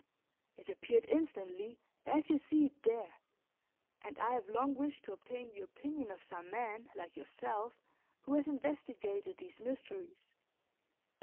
It appeared instantly, as you see it there; and I have long wished to obtain the opinion of some man, like yourself, who has investigated these mysteries."